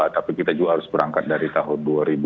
tapi kita juga harus berangkat dari tahun dua ribu dua